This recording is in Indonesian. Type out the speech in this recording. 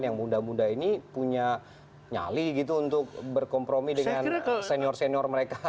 yang muda muda ini punya nyali gitu untuk berkompromi dengan senior senior mereka